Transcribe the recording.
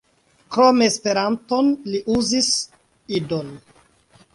Krom Esperanton, li uzis Idon.